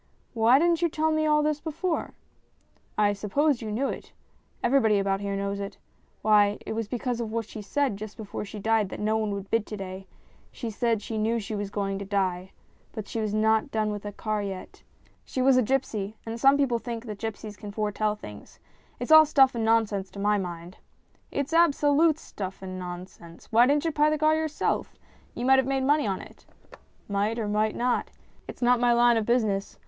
" Why didn't you tell me all this before ?"" I supposed you knew it. Everybody about here knows it. Why, it was because of what she said just before she died that no one would bid to day. She said that she knew she was going to die, but she was not done with that car yet. She was a gipsy, and some people think that gipsies can foretell things. It's all stuff and nonsense to my mind." " It's absolute stuff and nonsense. Why didn't MINIATURES 231 you buy the car yourself? You might have made money on it." "Might, or might not. It's not my line of business.